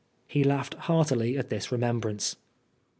He laughed heartily at this remembrance.